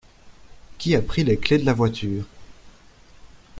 Qui a pris les clefs de la voiture?